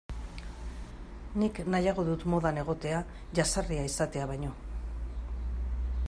Nik nahiago dut modan egotea jazarria izatea baino.